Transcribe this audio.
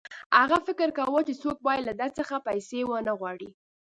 هغه فکر کاوه چې څوک باید له ده څخه پیسې ونه غواړي